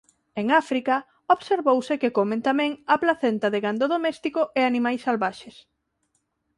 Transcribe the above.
En África observouse que comen tamén a placenta de gando doméstico e animais salvaxes.